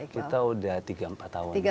ini sudah tiga empat tahun